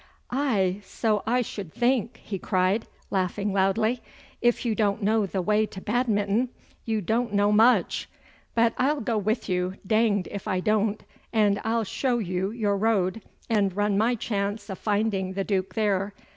'Aye, so I should think!' he cried, laughing loudly. 'If you doan't know the way to Badminton you doan't know much! But I'll go with you, danged if I doan't, and I'll show you your road, and run my chance o' finding the Duke there.